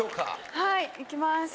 はいいきます。